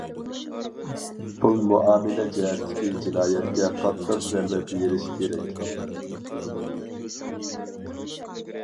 پۇل مۇئامىلە جەھەتتىكى جىنايەتكە قاتتىق زەربە بېرىش كېرەك.